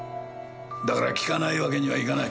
だから聞かないわけにはいかない。